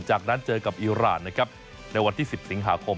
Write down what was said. จากนั้นเจอกับอีรานนะครับในวันที่๑๐สิงหาคม